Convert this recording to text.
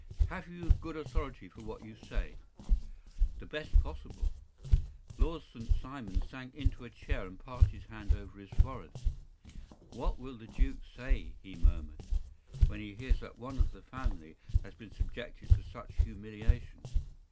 Have you good authority for what you say?” “The best possible.” Lord St. Simon sank into a chair and passed his hand over his forehead. “What will the duke say,” he murmured, “when he hears that one of the family has been subjected to such humiliation?